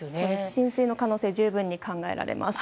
浸水の可能性が十分に考えられます。